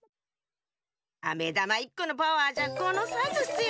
あめだま１このパワーじゃこのサイズっすよ。